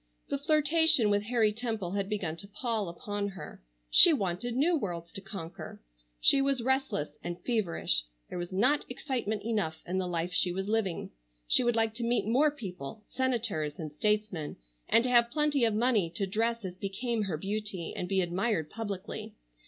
The flirtation with Harry Temple had begun to pall upon her. She wanted new worlds to conquer. She was restless and feverish. There was not excitement enough in the life she was living. She would like to meet more people, senators and statesmen—and to have plenty of money to dress as became her beauty, and be admired publicly.